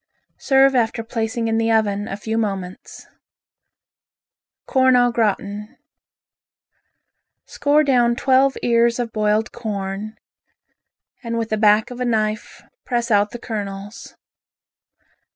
Serve after placing in the oven a few moments. Corn au Gratin Score down twelve ears of boiled corn, and with the back of a knife press out the kernels.